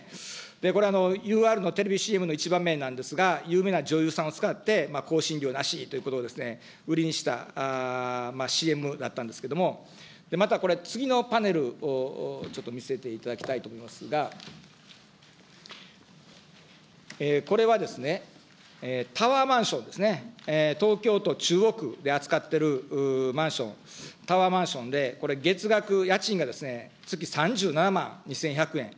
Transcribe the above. これ、ＵＲのテレビＣＭの一場面なんですが、有名な女優さんを使って更新料なしということを売りにしたＣＭだったんですが、またこれ、次のパネル、ちょっと見せていただきたいと思いますが、これはですね、タワーマンションですね、東京都中央区で扱っているマンション、タワーマンションで、これ、月額家賃が月３７万２１００円。